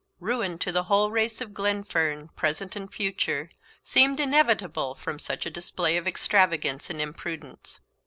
Ruin to the whole race of Glenfern, present and future, seemed inevitable from such a display of extravagance and imprudence.